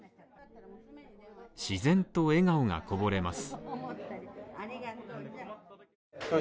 自然と笑顔がこぼれます。